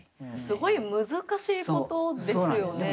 すごい難しいことですよね。